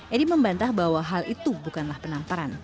edi membantah bahwa hal itu bukanlah penamparan